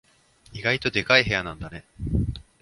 意外とでかい部屋なんだね。